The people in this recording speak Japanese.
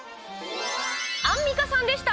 アンミカさんでした！